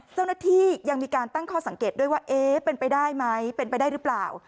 เจ้าหน้าที่ยังมีการตั้งข้อสังเกตด้วยว่าเอ๊ะเป็นไปได้ไหมเป็นไปได้หรือเปล่า